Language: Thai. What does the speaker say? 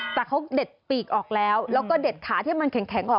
แต่เขาเด็ดปีกออกแล้วแล้วก็เด็ดขาที่มันแข็งออก